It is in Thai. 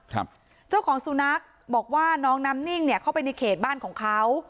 ครับเจ้าของสุนัขบอกว่าน้องน้ำนิ่งเนี่ยเข้าไปในเขตบ้านของเขา